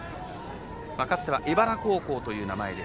かつて荏原高校という名前で